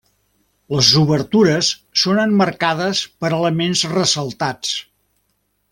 Les obertures són emmarcades per elements ressaltats.